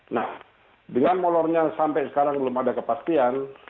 nah dengan molornya sampai sekarang belum ada kepastian